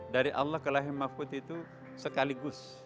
dari allah ke rahim mahfud itu sekaligus